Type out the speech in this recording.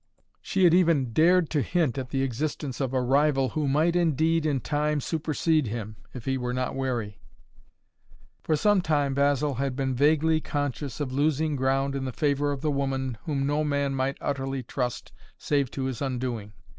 She had even dared to hint at the existence of a rival who might indeed, in time, supersede him, if he were not wary. For some time Basil had been vaguely conscious of losing ground in the favor of the woman whom no man might utterly trust save to his undoing.